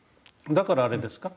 だからあれですか